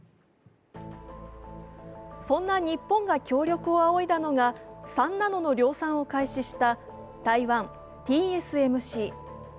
そんな日本が協力をあおいだのは３ナノの量産を開始した台湾・ＴＳＭＣ。